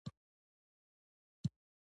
د کابل ښاروالي لویه بودیجه لري